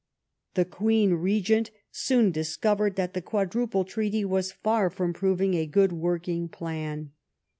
The Queen Begent soon discovered that the Quadruple Treaty was far from proving a good working plan.